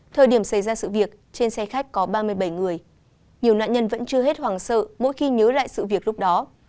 thời điểm xảy ra sự việc trên xe khách có ba mươi bảy người nhiều nạn nhân vẫn chưa hết hoàng sợ mỗi khi nhớ lại sự việc lúc đó